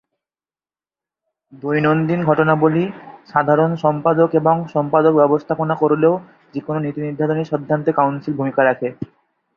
দৈনন্দিন ঘটনাবলী সাধারণ সম্পাদক এবং সম্পাদক ব্যবস্থাপনা করলেও যেকোনো নীতি নির্ধারণী সিদ্ধান্তে কাউন্সিল ভূমিকা রাখে।